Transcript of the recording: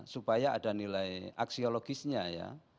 supaya ada nilai aksiologisnya ya